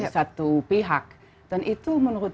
satu pihak dan itu menurut